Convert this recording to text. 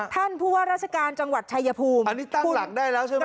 ท่านผู้ว่าราชการจังหวัดชายภูมิอันนี้ตั้งผู้หลังได้แล้วใช่ไหม